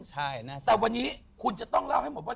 แต่วันนี้คุณจะต้องเล่าให้หมดว่า